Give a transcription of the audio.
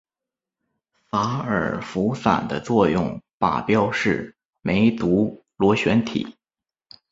洒尔佛散的作用靶标是梅毒螺旋体。